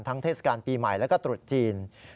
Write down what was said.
ทั้งเทศกาลปีใหม่และตรวจจีน